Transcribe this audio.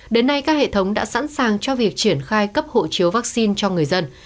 đến nay các hệ thống đã sẵn sàng cho việc triển khai cấp hộ chiếu vaccine cho người dân